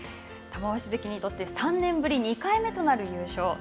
玉鷲関にとって３年ぶり２回目となる優勝